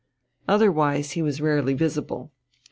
Otherwise he was rarely visible.